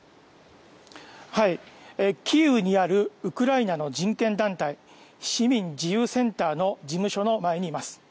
キーウにあるウクライナの人権団体市民自由センターの事務所の前にいます。